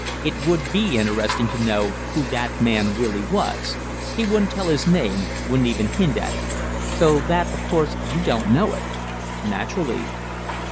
It would be interesting to know who that man really was. He wouldn't tell his name, wouldn't even hint at it." "So that of course you don't know it." "Naturally."